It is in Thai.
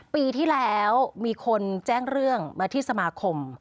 ปีที่แล้วมีคนแจ้งเรื่องมาที่สมาคม